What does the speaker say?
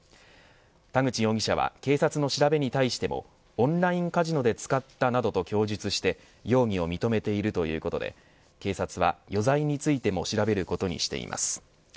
田口容疑者は警察の調べに対してもオンラインカジノで使ったなどと供述して容疑を認めているということで警察は余罪についても調べることにしています。